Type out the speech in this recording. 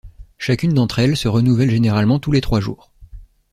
Chacune d'entre elles se renouvellent généralement tous les trois jours.